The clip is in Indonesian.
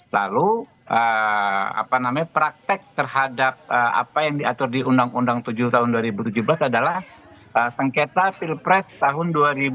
lalu praktek terhadap apa yang diatur di undang undang tujuh tahun dua ribu tujuh belas adalah sengketa pilpres tahun dua ribu sembilan belas